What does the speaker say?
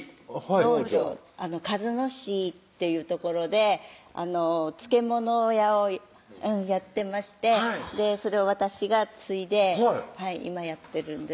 農場鹿角市っていう所で漬物屋をやってましてそれを私が継いで今やってるんです